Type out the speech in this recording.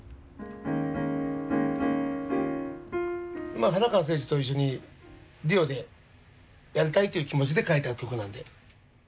まあ原川誠司と一緒にデュオでやりたいという気持ちで書いた曲なんで。